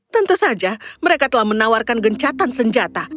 tentu saja mereka telah menawarkan gencatan senjata